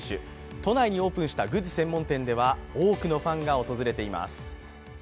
都内にオープンしたグッズ専門店では多くのファンが訪れています。